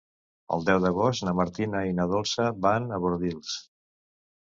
El deu d'agost na Martina i na Dolça van a Bordils.